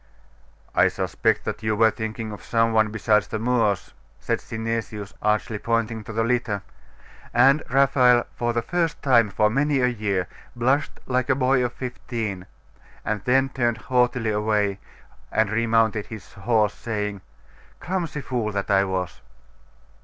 'I suspect that you were thinking of some one besides the Moors,' said Synesius, archly pointing to the litter; and Raphael, for the first time for many a year, blushed like a boy of fifteen, and then turned haughtily away, and remounted his horse, saying, 'Clumsy fool that I was!